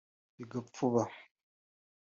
bigapfuba